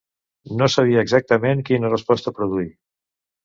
No sabia exactament quina resposta produir.